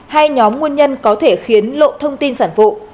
hai nhóm nguồn nhân có thể khiến lộ thông tin sản phụ